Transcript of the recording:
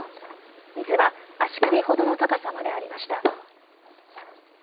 水は足首ほどの高さまでありました。